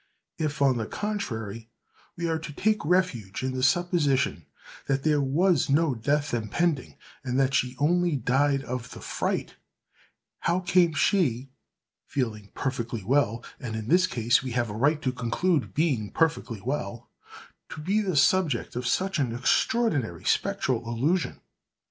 If, on the contrary, we are to take refuge in the supposition that there was no death impending, and that she only died of the fright, how came she—feeling perfectly well, and, in this case, we have a right to conclude being perfectly well—to be the subject of such an extraordinary spectral illusion?